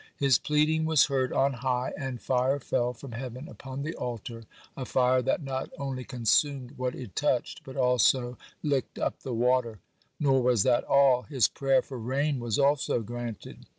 (20) His pleading was heard on high, and fire fell from heaven upon the altar, a fire that not only consumed what it touched, but also licked up the water. (21) Nor was that all; his prayer for rain was also granted.